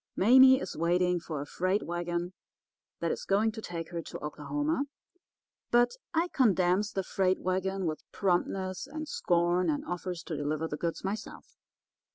Mame is waiting for a freight wagon that is going to take her to Oklahoma, but I condemns the freight wagon with promptness and scorn, and offers to deliver the goods myself.